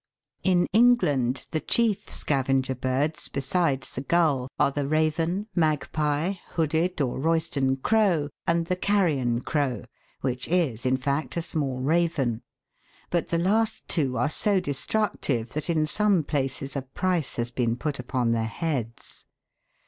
In England the chief scavenger birds, besides the gull, AND RAVENS. 237 are the raven, magpie, hooded or Royston crow, and the carrion crow, which is, in fact, a small raven ; but the last two are so destructive that in some places a price has been put upon their heads.